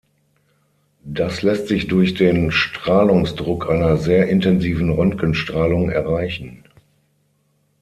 Das lässt sich durch den Strahlungsdruck einer sehr intensiven Röntgenstrahlung erreichen.